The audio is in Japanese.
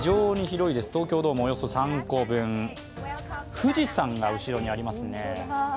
富士山が後ろにありますね。